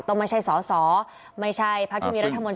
ไม่ใช่สอสอไม่ใช่พักที่มีรัฐมนตรี